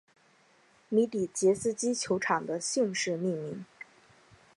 米底捷斯基球场的姓氏命名。